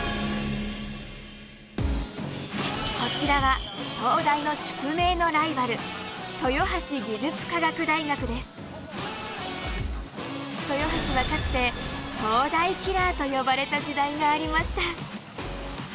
こちらは東大の宿命のライバル豊橋はかつて「東大キラー」と呼ばれた時代がありました。